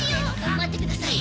待ってください